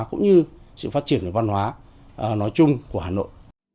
cũng như sự phát triển của văn hóa nói chung của hà nội